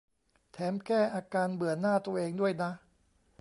แถมแก้อาการเบื่อหน้าตัวเองด้วยนะ